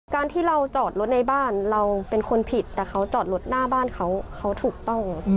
การที่เราจอดรถในบ้านเราเป็นคนผิดแต่เขาจอดรถหน้าบ้านเขาเขาถูกต้อง